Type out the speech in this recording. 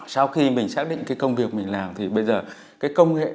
sau khi mình xác định cái công việc mình làm thì bây giờ cái công nghệ